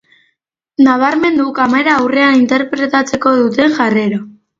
Nabarmendu kamera aurrean interpretatzeko duten jarrera.